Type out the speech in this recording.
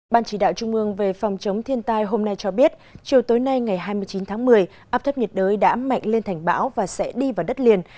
ban chỉ đạo trung ương về phòng chống thiên tai hôm nay cho biết chiều tối nay ngày hai mươi chín tháng một mươi áp thấp nhiệt đới đã mạnh lên thành bão và sẽ đi vào đất liền